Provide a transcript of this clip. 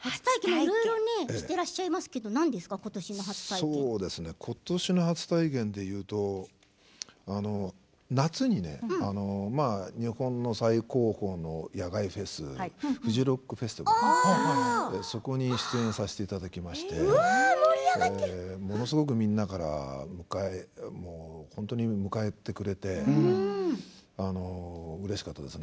いろいろしていらっしゃいますけれど今年の初体験で言うと夏にね、日本の最高峰の野外フェスフジロックフェスそこに出演させていただきましてものすごくみんなから迎えてくれてうれしかったです。